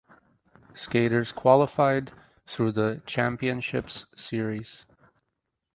Skaters qualified through the Championships Series.